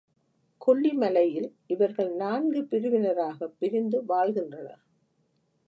கொல்லி மலையில் இவர்கள் நான்கு பிரிவினராகப் பிரிந்து வாழ்கின்றனர்.